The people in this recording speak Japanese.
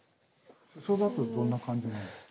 ・裾だとどんな感じなんですか？